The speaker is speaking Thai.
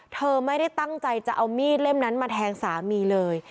เธอไม่ได้ตั้งใจจะเอามีดเล่มนั้นมาแทงสามีเลย